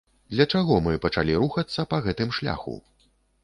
Для чаго мы пачалі рухацца па гэтым шляху?